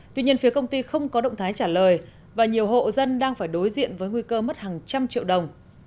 tuy nhiên phía công ty không có động thái trả lời và nhiều hộ dân đang phải đối diện với nguy cơ mất hàng trăm triệu đồng